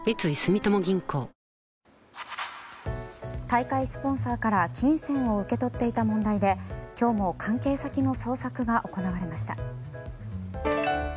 大会スポンサーから金銭を受け取っていた問題で今日も関係先の捜索が行われました。